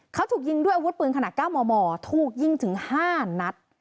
เขาถูกยิงด้วยอาวุธปืนขนาด๙มมถูกยิงถึง๕นัด